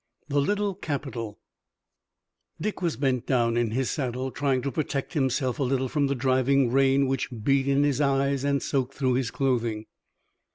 THE LITTLE CAPITAL Dick was bent down in his saddle, trying to protect himself a little from the driving rain which beat in his eyes and soaked through his clothing.